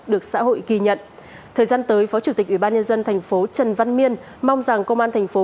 được xã hội ghi nhận thời gian tới phó chủ tịch ủy ban nhân dân thành phố trần văn miên mong rằng công an thành phố